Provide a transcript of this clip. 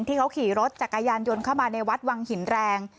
ที่เขาขี่รถจักรยานยนต์เข้ามาในวัดวังหินแรง